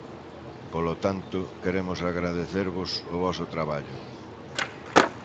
Polo tanto, queremos agradecervos o voso traballo.